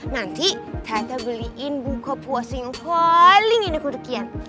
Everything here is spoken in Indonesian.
nanti tata beliin buka puasa yang paling enak untuk ian